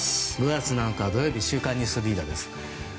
５月７日、土曜日「週刊ニュースリーダー」です。